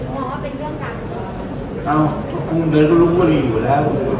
ก็รูเป็นการเมืองส่วนดีละ